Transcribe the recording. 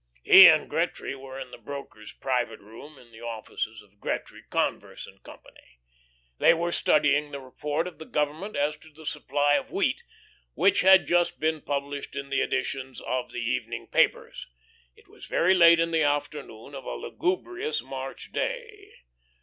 He and Gretry were in the broker's private room in the offices of Gretry, Converse & Co. They were studying the report of the Government as to the supply of wheat, which had just been published in the editions of the evening papers. It was very late in the afternoon of a lugubrious March day.